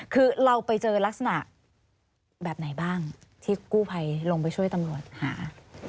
คือเราไปเจอลักษณะแบบไหนบ้างที่กู้ภัยลงไปช่วยตำรวจหา